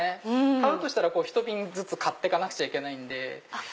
買うとしたらひと瓶ずつ買ってかなくちゃいけないんで。